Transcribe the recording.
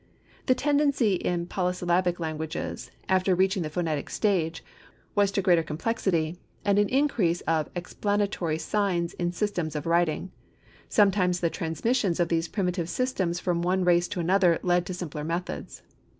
The tendency in polysyllabic languages after reaching the phonetic stage, was to greater complexity and an increase of explanatory signs in systems of writing. Sometimes the transmissions of these primitive systems from one race to another, led to simpler methods.